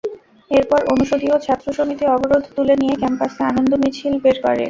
এরপর অনুষদীয় ছাত্র সমিতি অবরোধ তুলে নিয়ে ক্যাম্পাসে আনন্দ মিছিল বের করে।